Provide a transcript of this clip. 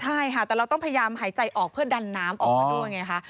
ใช่ค่ะแต่เราต้องพยายามหายใจออกเพื่อดันน้ำออกมาด้วยไงคะ